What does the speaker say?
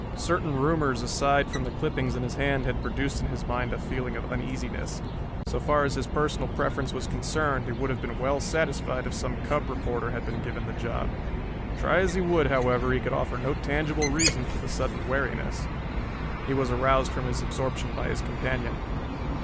Certain rumors aside from the clippings in his hand had produced in his mind a feeling of uneasiness. So far as his personal preference was concerned he would have been well satisfied if some cub reporter had been given the job. Try as he would, however, he could offer no tangible reason for the sudden wariness. He was aroused from his absorption by his companion.